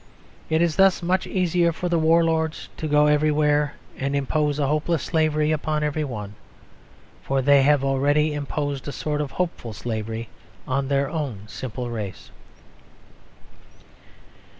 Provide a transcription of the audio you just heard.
It is thus much easier for the warlords to go everywhere and impose a hopeless slavery upon every one, for they have already imposed a sort of hopeful slavery on their own simple race.